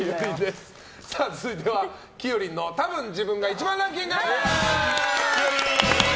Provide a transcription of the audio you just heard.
続いては、きよりんのたぶん自分が１番ランキング！